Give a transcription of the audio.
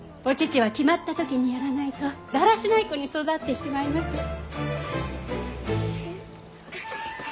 お乳は決まった時にやらないとだらしない子に育ってしまいます。